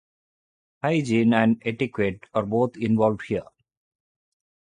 Hygiene and etiquette are both involved here.